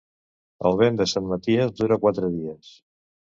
El vent de Sant Maties dura quaranta dies.